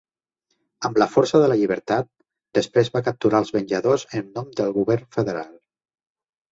Amb la força de la llibertat, després va capturar als venjadors en nom del govern federal.